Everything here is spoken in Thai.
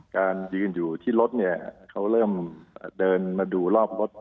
การยืนอยู่ที่รถเนี่ยเขาเริ่มเดินมาดูรอบรถ